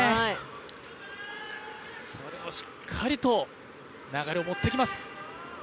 それをしっかりと流れを持ってきます。